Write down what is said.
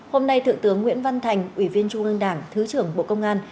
hôm nay thượng tướng nguyễn văn thành ủy viên trung ương đảng thứ trưởng bộ công an